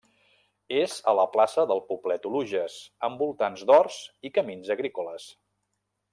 És a la plaça del poblet Oluges, amb voltants d'horts i camins agrícoles.